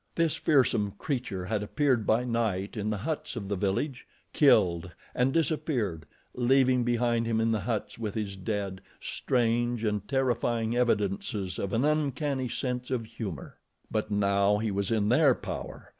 This fearsome creature had appeared by night in the huts of the village, killed, and disappeared, leaving behind him in the huts with his dead, strange and terrifying evidences of an uncanny sense of humor. But now he was in their power!